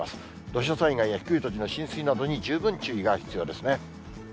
土砂災害や低い土地の浸水などに十分注意が必要ですね。